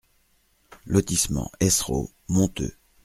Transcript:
Lotissement Eissero, Monteux